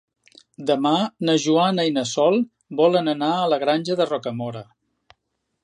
Demà na Joana i na Sol volen anar a la Granja de Rocamora.